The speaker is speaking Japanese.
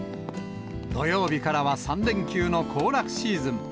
土曜日からは３連休の行楽シーズン。